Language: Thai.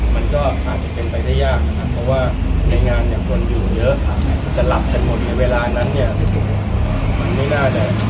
มันก็อาจจะเป็นไปได้ยากครับเพราะว่าในงานคนอยู่เยอะจะหลับแค่หมดในเวลานั้นเนี่ย